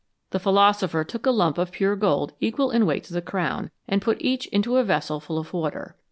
The philosopher took a lump of pure gold equal in weight to the crown, and put each into a vessel full of water.